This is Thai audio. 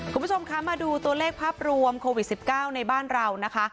คุณผู้ชมคะมาดูตัวเลขภาพรวมโควิด๑๙ในบ้านเรานะคะ